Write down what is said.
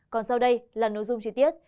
còn sau đây là nội dung chi tiết